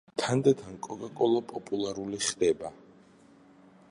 თანდათან კოკა-კოლა პოპულალური გახდა.